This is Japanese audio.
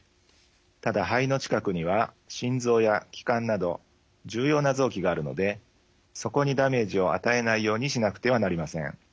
ただ肺の近くには心臓や気管など重要な臓器があるのでそこにダメージを与えないようにしなくてはなりません。